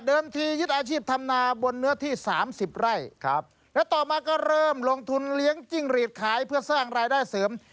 ทียึดอาชีพทำนาบนเนื้อที่สามสิบไร่ครับและต่อมาก็เริ่มลงทุนเลี้ยงจิ้งหรีดขายเพื่อสร้างรายได้เสริม